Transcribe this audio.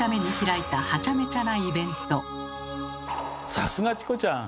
さすがチコちゃん！